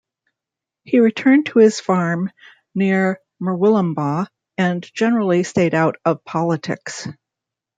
He returned to his farm near Murwillumbah and generally stayed out of politics.